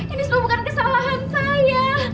ini semua bukan kesalahan saya